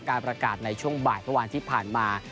การประกาศในช่วงบ่ายเมื่อวานที่ผ่านมา